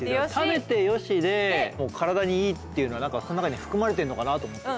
食べて良しで体にいいっていうのは何かその中に含まれてるのかなと思ってて。